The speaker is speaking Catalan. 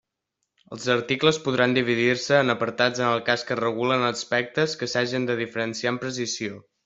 Els articles podran dividir-se en apartats en el cas que regulen aspectes que s'hagen de diferenciar amb precisió.